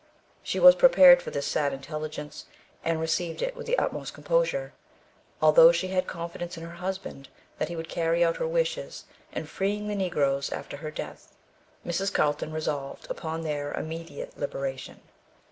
She was prepared for this sad intelligence, and received it with the utmost composure. Although she had confidence in her husband that he would carry out her wishes in freeing the Negroes after her death, Mrs. Carlton resolved upon their immediate liberation.